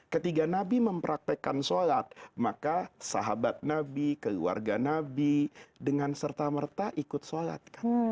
ketika nabi mempraktekkan sholat maka sahabat nabi keluarga nabi dengan serta merta ikut sholat